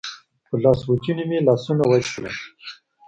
په لاسوچوني مې لاسونه وچ کړل.